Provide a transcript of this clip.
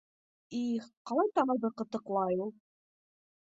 Их, ҡалай танауҙы ҡытыҡлай ул!